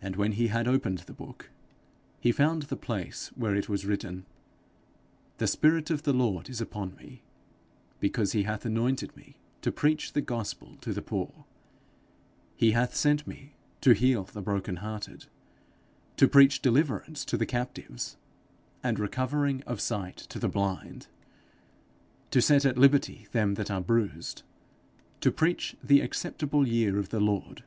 And when he had opened the book, he found the place where it was written, 'The spirit of the Lord is upon me, because he hath anointed me to preach the gospel to the poor; he hath sent me to heal the brokenhearted, to preach deliverance to the captives, and recovering of sight to the blind, to set at liberty them that are bruised, to preach the acceptable year of the Lord.'